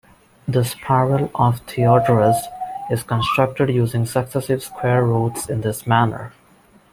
The Spiral of Theodorus is constructed using successive square roots in this manner.